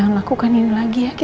hal kenapa kamu disini